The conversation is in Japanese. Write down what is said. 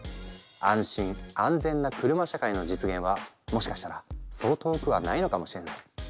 安心・安全な車社会の実現はもしかしたらそう遠くはないのかもしれない。